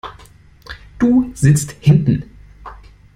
Du sitzt hinten.